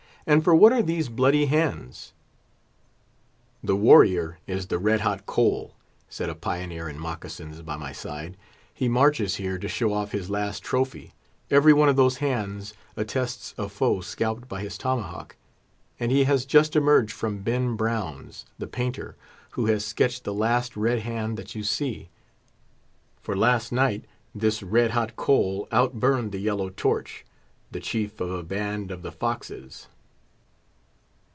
and for what are these bloody hands?" "That warrior is the Red Hot Coal," said a pioneer in moccasins, by my side. "He marches here to show off his last trophy; every one of those hands attests a foe scalped by his tomahawk; and he has just emerged from Ben Brown's, the painter, who has sketched the last red hand that you see; for last night this Red Hot Coal outburned the Yellow Torch, the chief of a band of the Foxes."